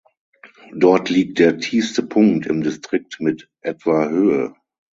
Dort liegt der tiefste Punkt im Distrikt mit etwa Höhe.